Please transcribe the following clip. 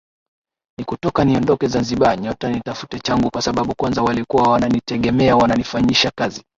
ni kutoka Niondoke Zanzibar nyota nitafute changu Kwa sababu kwanza walikuwa wananitegemea Wananifanyisha kazi